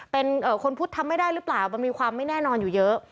เป็นคนพุทธทำไม่ได้หรือเปล่ามันมีความไม่แน่นอนอยู่เยอะ